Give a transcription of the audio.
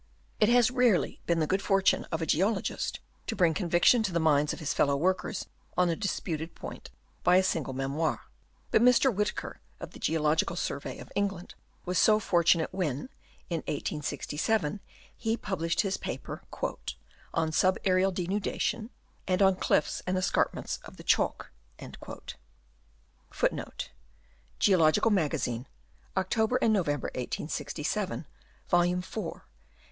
It has rarely been the good fortune of a geologist to bring conviction to the minds of his fellow workers on a disputed point by a single memoir ; but Mr. Whitaker, of the Geological Survey of England, was so for tunate when, in 1867, he published his paper " On sub aerial Denudation, and on Cliffs and Escarpments of the Chalk." * Before this *' Geological Magazine,' October and November, 1867, vol. iv. pp.